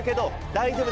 大丈夫。